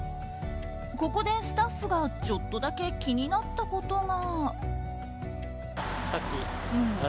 ここでスタッフがちょっとだけ気になったことが。